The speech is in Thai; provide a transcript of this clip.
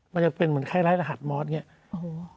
มันจะเป็นเหมือนคล้ายไรหัสมอสอย่างนี้